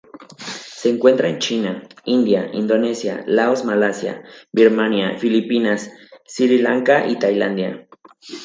Se encuentra en China, India Indonesia, Laos Malasia, Birmania, Filipinas, Sri Lanka y Tailandia.